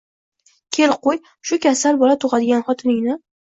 Kel qo`y, shu kasal bola tug`adigan xotiningni